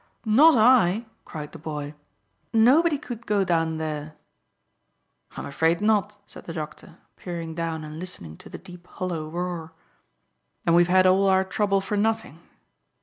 "Not I," cried the boy. "Nobody could go down there." "I'm afraid not," said the doctor, peering down and listening to the deep, hollow roar. "Then we've had all our trouble for nothing."